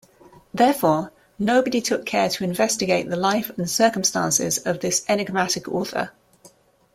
Therefore, nobody took care to investigate the life and circumstances of this enigmatic author.